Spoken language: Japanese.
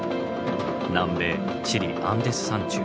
南米チリアンデス山中。